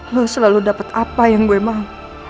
lo selalu dapat apa yang gue mau